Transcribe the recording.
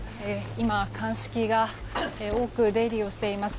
今、鑑識が多く出入りをしています。